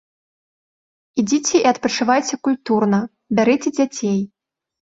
Ідзіце і адпачывайце культурна, бярыце дзяцей.